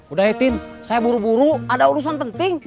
udah eh tin saya buru buru ada urusan penting